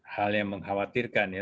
hal yang mengkhawatirkan ya